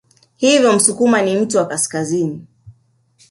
Hivyo Msukuma ni mtu wa Kaskazini